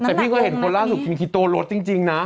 แต่พี่เคยเห็นคนล่าสุดมีคิโตรสจริงนะ